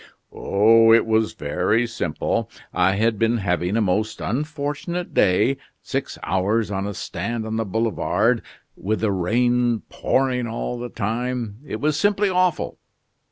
"Oh, it was very simple. I had been having a most unfortunate day six hours on a stand on the Boulevards, with the rain pouring all the time. It was simply awful.